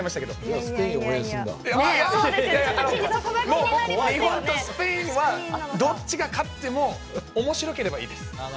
日本とスペインはどっちが勝ってもおもしろければいいです。